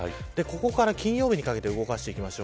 ここから金曜日にかけて動かしていきます。